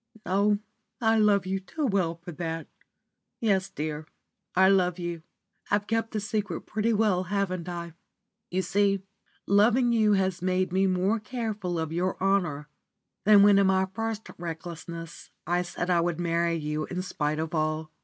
Oh, I love you too well for that! Yes, dear, I love you. I've kept the secret pretty well, haven't I? You see, loving you has made me more careful of your honour than when in my first recklessness I said I would marry you in spite of all.